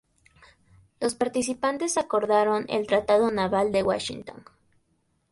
Los participantes acordaron el Tratado Naval de Washington.